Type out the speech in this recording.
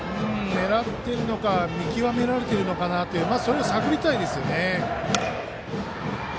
狙っているのか見極められているのかなとそれを探りたいですね。